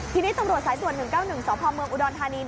ทีนี้ตำรวจสายส่วน๑๙๑สมอุดรธานี